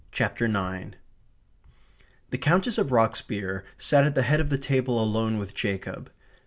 CHAPTER NINE The Countess of Rocksbier sat at the head of the table alone with Jacob.